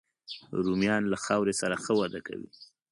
رومیان له خاورې سره ښه وده کوي